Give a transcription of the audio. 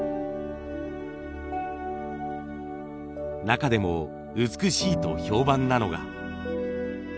中でも美しいと評判なのが。